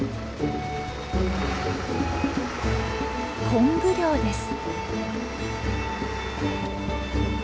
昆布漁です。